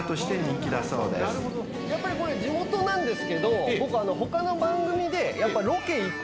やっぱりこれ地元なんですけど僕他の番組で。